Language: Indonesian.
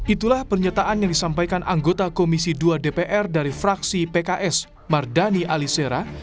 itulah pernyataan yang disampaikan anggota komisi dua dpr dari fraksi pks mardani alisera